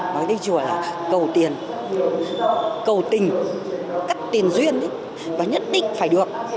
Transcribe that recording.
nói đây chùa là cầu tiền cầu tình cắt tiền duyên và nhất định phải được